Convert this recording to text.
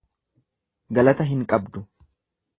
Galata hin qabdu.